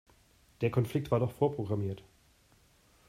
Der Konflikt war doch vorprogrammiert.